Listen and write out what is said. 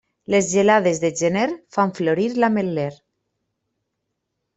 Les gelades de gener fan florir l'ametller.